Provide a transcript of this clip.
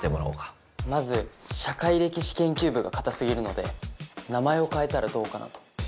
まず「社会歴史研究部」が堅過ぎるので名前を変えたらどうかなと。